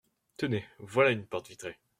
Tenez, voilà une porte vitrée.